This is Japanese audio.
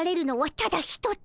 ただ一つ？